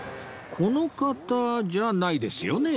この方じゃないですよね？